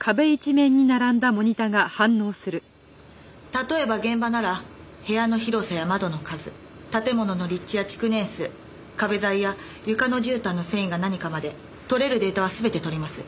例えば現場なら部屋の広さや窓の数建物の立地や築年数壁材や床のじゅうたんの繊維が何かまで取れるデータは全て取ります。